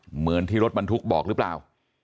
เหมือนที่รถบรรทุกบอกหรือเปล่า